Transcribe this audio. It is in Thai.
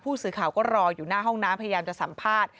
ผู้สื่อข่าวก็รออยู่หน้าห้องน้ำ